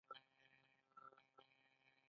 دوی په اټومي انرژۍ کار کوي.